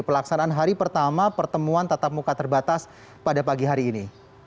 pelaksanaan hari pertama pertemuan tatap muka terbatas pada pagi hari ini